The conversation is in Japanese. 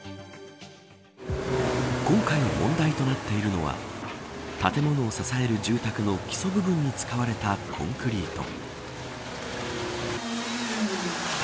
今回、問題となっているのは建物を支える住宅の基礎部分に使われたコンクリート。